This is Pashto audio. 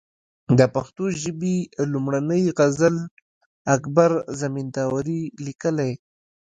د پښتو ژبي لومړنۍ غزل اکبر زمینداوري ليکلې